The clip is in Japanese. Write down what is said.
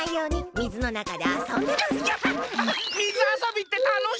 みずあそびってたのしい！